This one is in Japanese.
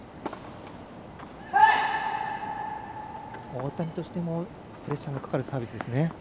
大谷としてもプレッシャーがかかるサービスですね。